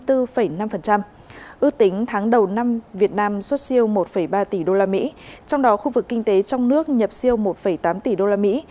ưu tính tháng đầu năm việt nam xuất siêu một ba tỷ usd trong đó khu vực kinh tế trong nước nhập siêu một tám tỷ usd